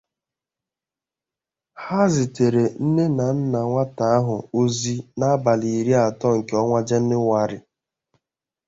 Ha zitèèrè nne na nna nwata ahụ ozi n'abalị iri atọ nke ọnwa Jenụwarị